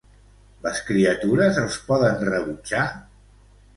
Les criatures els poden rebutjar?